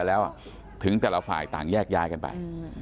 แล้วถึงแต่ละฝ่ายต่างแยกย้ายกันไป